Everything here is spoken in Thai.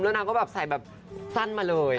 แล้วนางก็แบบใส่แบบสั้นมาเลย